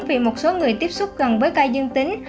vì một số người tiếp xúc gần với ca dương tính